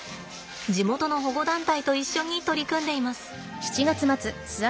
地元の保護団体と一緒に取り組んでいます。